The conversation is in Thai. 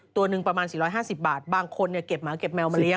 ตัวหนึ่งประมาณ๔๕๐บาทบางคนเก็บหมาเก็บแมวมาเลี้ย